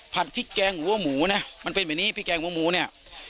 พริกแกงหัวหมูนะมันเป็นแบบนี้พริกแกงหมูเนี่ย